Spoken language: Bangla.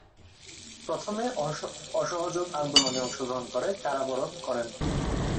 প্রথমে অসহযোগ আন্দোলনে অংশগ্রহণ করে কারাবরণ করেন।